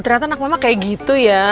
ternyata anak mama kayak gitu ya